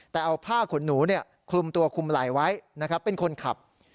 แต่เอาผ้าขนหนูนี่คลุมตัวคลุมไหลไว้เป็นคนขับ